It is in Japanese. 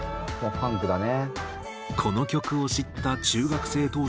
「ファンクだね」